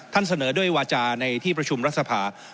เสนอด้วยวาจาในที่ประชุมรัฐสภา